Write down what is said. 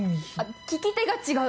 利き手が違う。